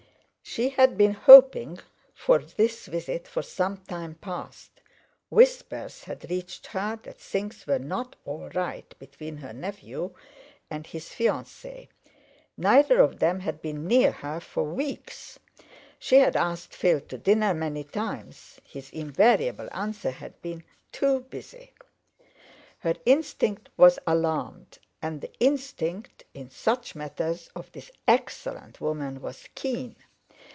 She had been hoping for this visit for some time past. Whispers had reached her that things were not all right between her nephew and his fiancée. Neither of them had been near her for weeks. She had asked Phil to dinner many times; his invariable answer had been "Too busy." Her instinct was alarmed, and the instinct in such matters of this excellent woman was keen.